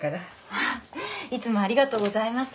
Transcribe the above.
あっいつもありがとうございます。